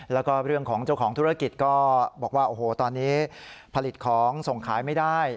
แล้วก็เรื่องของเจ้าของธุรกิจก็บอกว่าโอ้โหตอนนี้ผลิตของส่งขายไม่ได้